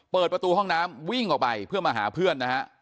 เปิดประตูห้องน้ำวิ่งออกไปเพื่อมาหาเพื่อนนะฮะ